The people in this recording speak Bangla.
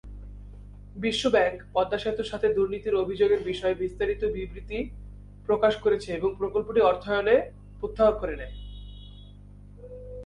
বিশ্বব্যাংক পদ্মা সেতুর সাথে দুর্নীতির অভিযোগের বিষয়ে বিস্তারিত বিবৃতি প্রকাশ করেছে এবং প্রকল্পটির অর্থায়ন প্রত্যাহার করে নেয়।